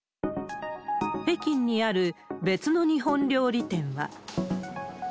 北京にある別の日本料理店は。